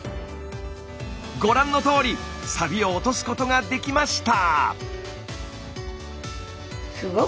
ご覧のとおりサビを落とすことができました。